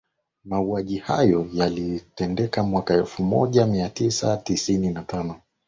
mauaji hayo yaliyotendeka mwaka elfu moja mia tisa tisini na tano